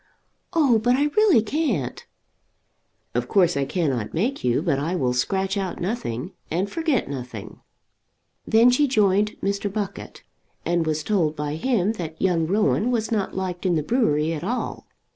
"Oh, but I really can't." "Of course I cannot make you, but I will scratch out nothing, and forget nothing." Then she rejoined Mr. Buckett, and was told by him that young Rowan was not liked in the brewery at all.